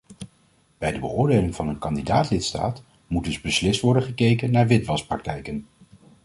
Bij de beoordeling van een kandidaat-lidstaat moet dus beslist worden gekeken naar witwaspraktijken!